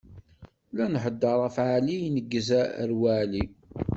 La nheddeṛ ɣef Ɛli ineggez ar Waɛli.